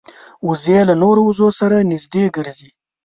وزې له نورو وزو سره نږدې ګرځي